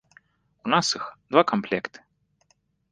У нас іх два камплекты.